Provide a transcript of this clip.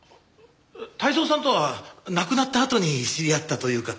泰造さんとは亡くなったあとに知り合ったというか。